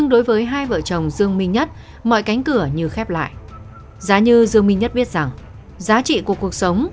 đối với trần thị hồng vân về tội chế tạo mua bán trái phép vũ khí quân dụng